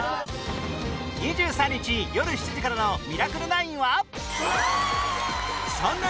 ２３日よる７時からの『ミラクル９』は